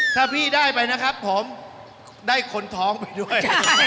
ถ้าพี่ได้ไปนะครับผมได้คนท้องไปด้วย